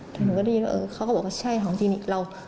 แต่หนูก็ได้ยินว่าเออเขาก็บอกว่าใช่ของคลินิกเรา